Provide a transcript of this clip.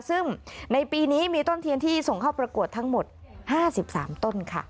ซึ่งในปีนี้มีต้นเทียนที่ส่งเข้าประกวดทั้งหมด๕๓ต้นค่ะ